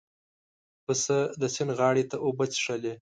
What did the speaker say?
پسه د سیند غاړې ته اوبه څښلې.